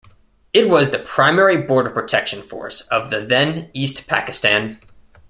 It was the primary border protection force of the then East Pakistan.